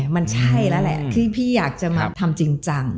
มันใช่แล้วแหละที่พี่อยากจะมาทำจริงจัง